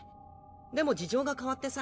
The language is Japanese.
でも事情が変わってさ。